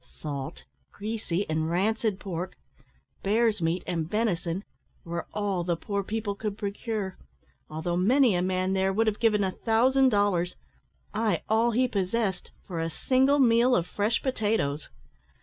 Salt, greasy and rancid pork, bear's meat, and venison, were all the poor people could procure, although many a man there would have given a thousand dollars ay, all he possessed for a single meal of fresh potatoes.